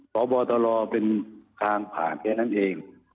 พบตรเป็นทางผ่านแค่นั้นเอง